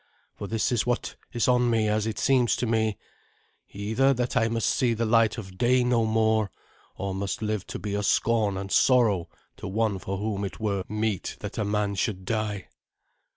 For this is what is on me, as it seems to me either that I must see the light of day no more, or must live to be a scorn and sorrow to one for whom it were meet that a man should die."